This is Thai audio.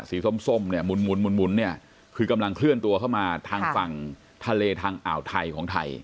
ส้มเนี่ยหมุนเนี่ยคือกำลังเคลื่อนตัวเข้ามาทางฝั่งทะเลทางอ่าวไทยของไทย